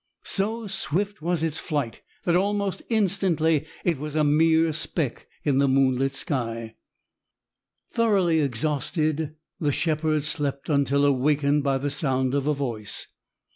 So swift was its flight that almost instantly it was a mere speck in the moonlit sky. Thoroughly exhausted, the shepherd slept until awakened by the sound of a voice.